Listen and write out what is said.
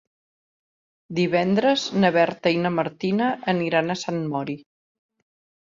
Divendres na Berta i na Martina aniran a Sant Mori.